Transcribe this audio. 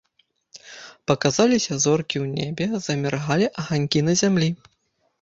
Паказаліся зоркі ў небе, заміргалі аганькі на зямлі.